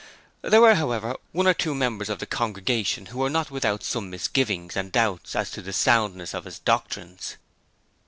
There were, however, one or two members of the congregation who were not without some misgivings and doubts as to the soundness of his doctrines.